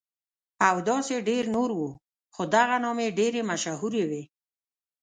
او داسې ډېر نور وو، خو دغه نامې ډېرې مشهورې وې.